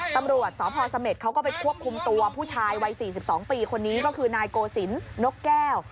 ตำรวจสพเสม็ดเขาก็ไปควบคุมตัวผู้ชายวัย๔๒ปีคนนี้ก็คือนายโกศิลปนกแก้ว